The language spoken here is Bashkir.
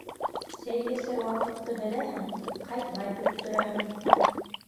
Сәй эсер ваҡытты беләһең, ҡайтмай көттөрәһең.